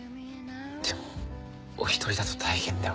でもお一人だと大変では。